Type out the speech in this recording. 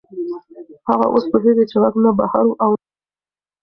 هغه اوس پوهېږي چې غږ نه بهر و او نه دننه.